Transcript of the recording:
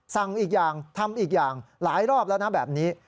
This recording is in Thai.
สั่งอีกอย่างทำอีกอย่างหลายรอบแล้วนะแบบนี้